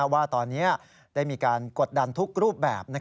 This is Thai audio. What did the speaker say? ว่าตอนนี้ได้มีการกดดันทุกรูปแบบ